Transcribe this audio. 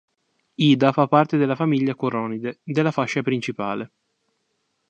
Ida fa parte della famiglia Coronide della fascia principale.